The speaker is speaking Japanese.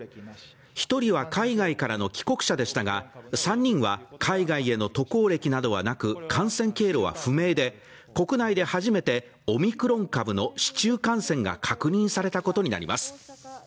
１人は海外からの帰国者でしたが３人は海外への渡航歴などはなく、感染経路は不明で国内で初めてオミクロン株の市中感染が確認されたことになります。